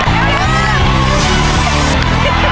ตัวเลือดที่๑นกแก้วมาคอ